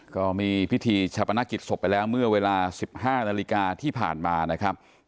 ก็มีพิธีชาปนกิจศพไปแล้วเมื่อเวลา๑๕นาฬิกาที่ผ่านมานะครับ